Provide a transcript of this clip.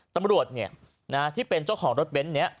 ตำรวจเนี่ยที่เป็นเจ้าของรถเว้นท์เนี่ย